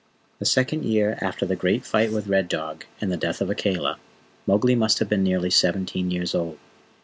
The second year after the great fight with Red Dog and the death of Akela, Mowgli must have been nearly seventeen years old.